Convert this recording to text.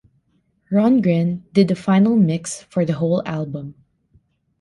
Rundgren did the final mix for the whole album.